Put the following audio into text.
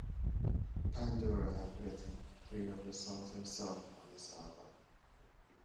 Pandora had written three of the songs herself on this album.